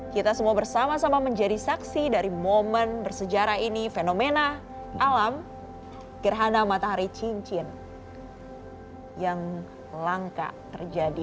kita semua bersama sama menjadi saksi dari momen bersejarah ini fenomena alam gerhana matahari cincin yang langka terjadi